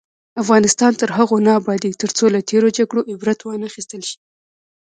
افغانستان تر هغو نه ابادیږي، ترڅو له تیرو جګړو عبرت وانخیستل شي.